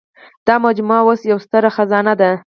دا مجموعه اوس یوه ستره خزانه ده.